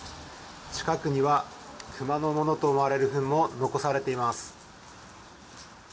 近くには熊のものと思われるフンも残されています。